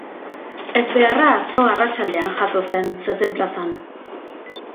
Ezbeharra atzo arratsaldean jazo zen, zezen-plazan.